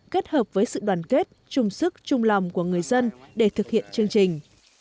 kết hợp với sự đoàn kết chung sức chung lòng của người dân để thực hiện chương trình